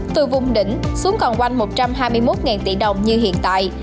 từ vùng đỉnh xuống còn quanh một trăm hai mươi một tỷ đồng như hiện tại